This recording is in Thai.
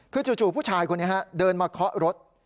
คือจู่ผู้ชายคนนี้เดินมาเคาะรถ